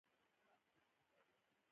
د بازار سروې د پلان برخه ده.